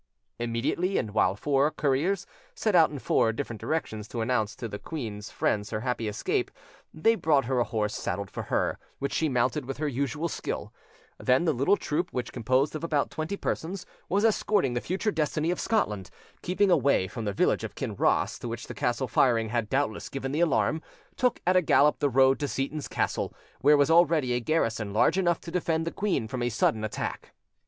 Immediately, and while four couriers set out in four different directions to announce to the queen's friends her happy escape, they brought her a horse saddled for her, which she mounted with her usual skill; then the little troop, which, composed of about twenty persons, was escorting the future destiny of Scotland, keeping away from the village of Kinross, to which the castle firing had doubtless given the alarm, took at a gallop the road to Seyton's castle, where was already a garrison large enough to defend the queen from a sudden attack.